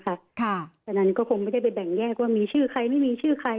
เพราะฉะนั้นก็คงไม่ได้ไปแบ่งแยกว่ามีชื่อใครไม่มีชื่อใคร